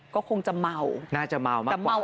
ก็คงจะเมาน่าจะเมามากกว่า